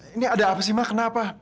ini ada apa sih mak kenapa